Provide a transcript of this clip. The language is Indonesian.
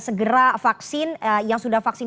segera vaksin yang sudah vaksin